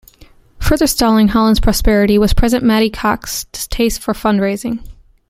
Further stalling Hollins' prosperity was President Matty Cocke's distaste for fundraising.